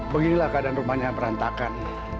beginilah keadaan rumahnya berantakan